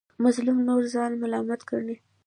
مظلوم نور ځان ملامت ګڼي.